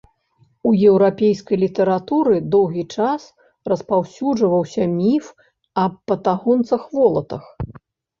У еўрапейскай літаратуры доўгі час распаўсюджваўся міф аб патагонцах-волатах.